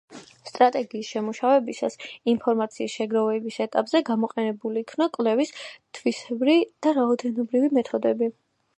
სტრატეგიის შემუშავებისას, ინფორმაციის შეგროვების ეტაპზე, გამოყენებულ იქნა კვლევის თვისებრივი და რაოდენობრივი მეთოდები.